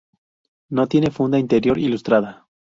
No tiene funda interior ilustrada.